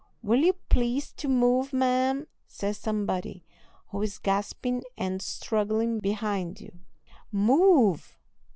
"Will you please to move, ma'am?" says somebody, who is gasping and struggling behind you. "Move!"